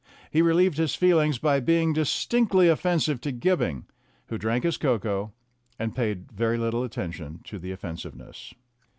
He relieved his feelings by being distinctly offensive to Gibbing, who drank his cocoa and paid very little attention to the offensiveness.